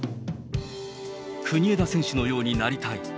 国枝選手のようになりたい。